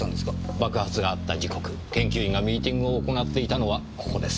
爆発があった時刻研究員がミーティングを行っていたのはここです。